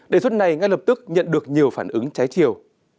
đề xuất này ngay lập tức nhận được nhiều phản ứng trái chiều